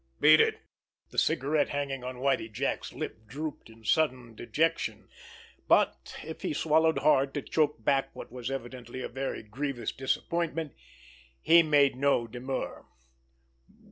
Beat it!" The cigarette hanging on Whitie Jack's lip drooped in sudden dejection; but if he swallowed hard to choke back what was evidently a very grievous disappointment, he made no demur.